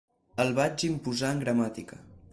El vaig imposar en gramàtica.